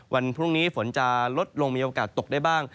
วันพรุ่งนี้ฝนจะลดลงมีโอกาสตกได้บ้าง